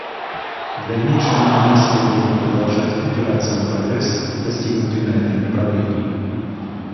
В дальнейшем Комиссия будет продолжать опираться на прогресс, достигнутый на этом направлении.